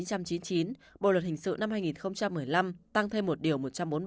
so với bộ luật hình sự năm hai nghìn một mươi năm tăng thêm một điều một trăm bốn mươi bảy